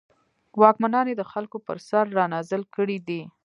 واکمنان یې د خلکو پر سر رانازل کړي دي.